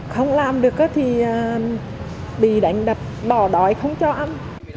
không làm được thì bị đánh đập bỏ đói không cho ăn